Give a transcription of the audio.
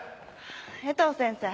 江藤先生。